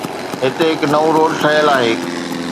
هتي هڪ نئون روڊ ٺهيل آهي.